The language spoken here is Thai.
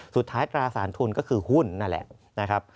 ตราสารทุนก็คือหุ้นนั่นแหละนะครับ